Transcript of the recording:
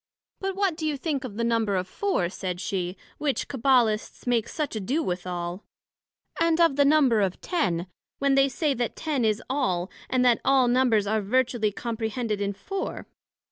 But what do you think of the Number of Four, said she, which Cabbalists make such ado withal, and of the Number of Ten, when they say that Ten is all, and that all Numbers are virtually comprehended in Four?